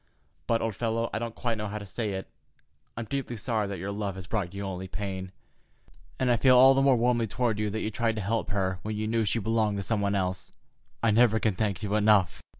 But, old fellow—I don't quite know how to say it—I'm deeply sorry that your love has brought you only pain, and I feel all the more warmly toward you that you tried to help her when you knew she belonged to some one else. I never can thank you enough."